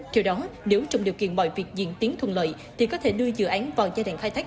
theo đó nếu trong điều kiện mọi việc diễn tiến thuận lợi thì có thể đưa dự án vào giai đoạn khai thác